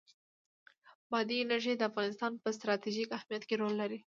بادي انرژي د افغانستان په ستراتیژیک اهمیت کې رول لري.